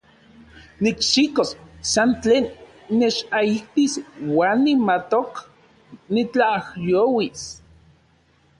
Nikxikos san tlen nechaijtis uan nimatok nitlajyouis.